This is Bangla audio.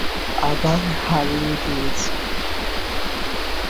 আবার হারিয়ে দিয়েছি।